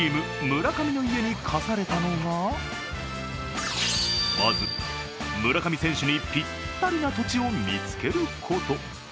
村上の家に課されたのがまず、村上選手にぴったりな土地を見つけること。